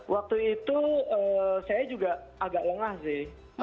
waktu itu saya juga agak lengah sih